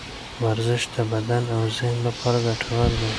ورزش د بدن او ذهن لپاره ګټور دی.